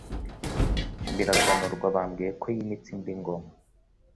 Biraganurwa bambwiye Ko yimitse indi Ngoma,